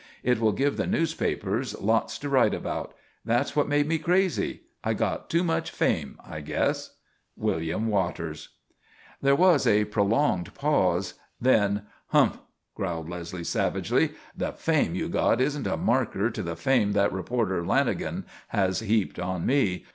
It will give the newspapers lots to write about. That's what made me crazy. I got too much fame, I guess._ "William Waters" There was a prolonged pause. Then: "Humph," growled Leslie savagely. "The 'fame' you got isn't a marker to the fame that reporter Lanagan has heaped on me.